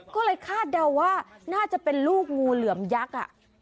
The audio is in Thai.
ก็เลยคาดเดาว่าน่าจะเป็นลูกงูเหลือมยักษ์